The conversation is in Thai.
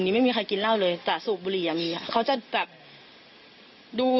นี่ไม่มีใครกินเหล้าเลยแต่สูบบุหรี่อ่ะมีอ่ะเขาจะแบบดู